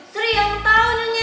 seri yang tau nunya